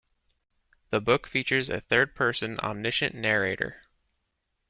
The book features a third-person omniscient narrator.